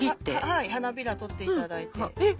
はい花びら取っていただいて。